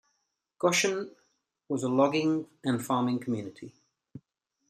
Goshen was a logging and farming community.